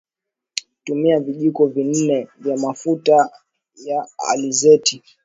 Tumia vijiko vi nne vya mafuta ya alizeti